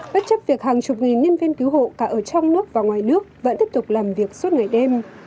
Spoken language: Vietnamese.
bất chấp việc hàng chục nghìn nhân viên cứu hộ cả ở trong nước và ngoài nước vẫn tiếp tục làm việc suốt ngày đêm